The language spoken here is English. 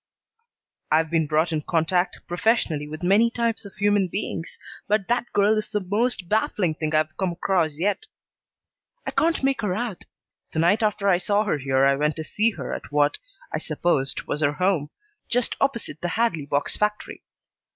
"I've been brought in contact professionally with many types of human beings, but that girl is the most baffling thing I've come across yet. I can't make her out. The night after I saw her here I went to see her at what, I supposed, was her home, just opposite the Hadley box factory.